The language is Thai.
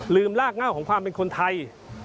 ลากเง่าของความเป็นคนไทย